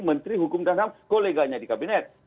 menteri hukum dan ham koleganya di kabinet